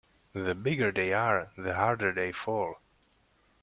The bigger they are the harder they fall.